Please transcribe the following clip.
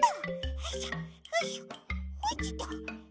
よいしょよいしょっと。